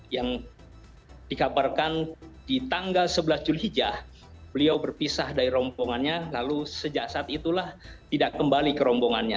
yang dikabarkan di tanggal sebelas julhijjah beliau berpisah dari rombongannya lalu sejak saat itulah tidak kembali ke rombongannya